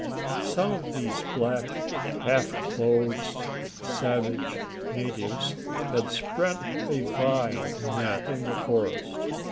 Some of these black, half clothed, savage natives had spread a vine net in the forest.